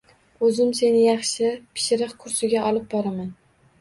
Oʻzim seni yaxshi pishiriq kursiga olib boraman